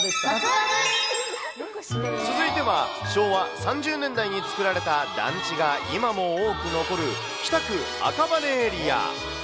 続いては昭和３０年代に作られた団地が今も多く残る、北区赤羽エリア。